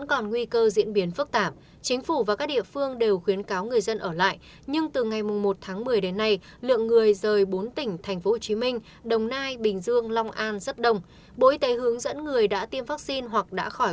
cảm ơn các bạn đã theo dõi